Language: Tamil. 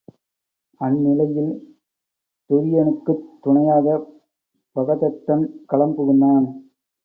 அந்நிலையில் துரியனுக்குத் துணையாகப் பகத்தத்தன் களம் புகுந்தான்.